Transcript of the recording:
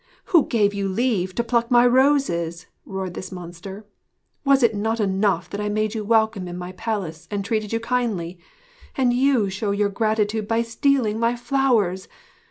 'Who gave you leave to pluck my roses?' roared this monster. 'Was it not enough that I made you welcome in my palace and treated you kindly? And you show your gratitude by stealing my flowers!